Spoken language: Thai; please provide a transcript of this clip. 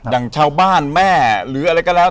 อย่างชาวบ้านแม่หรืออะไรก็แล้ว